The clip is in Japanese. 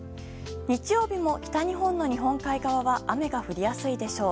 日曜日も、北日本の日本海側は雨が降りやすいでしょう。